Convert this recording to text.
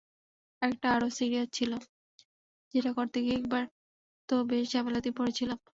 আরেকটা আরও সিরিয়াস ছিল, যেটা করতে গিয়ে একবার তো বেশ ঝামেলাতেই পড়েছিলাম।